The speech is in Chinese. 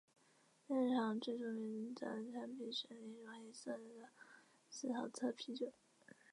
酿酒厂最著名的产品是一种黑色的司陶特啤酒。